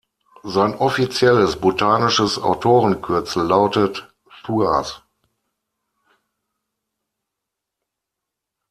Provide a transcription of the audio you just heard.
Sein offizielles botanisches Autorenkürzel lautet „Thouars“.